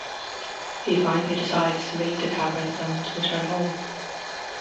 He finally decides to leave the caverns and return home.